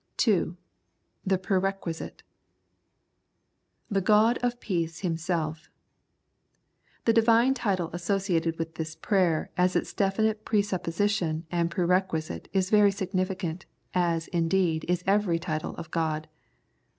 2. The Pre Requisite. "The God of Peace Himself." The Divine title associated with this prayer as its definite presupposition and pre requisite is very significant, as, indeed, is every title of God.